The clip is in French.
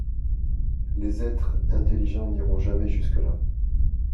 Les êtres intelligents n'iront jamais jusque-là.